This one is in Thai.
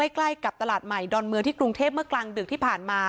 ใกล้กับตลาดใหม่ดอนเมืองที่กรุงเทพเมื่อกลางดึกที่ผ่านมา